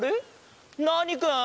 ナーニくん？